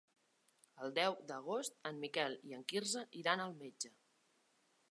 El deu d'agost en Miquel i en Quirze iran al metge.